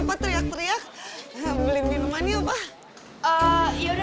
si boy t walau masih muda